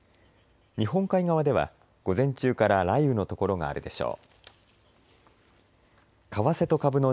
日本海側では午前中から雷雨の所があるでしょう。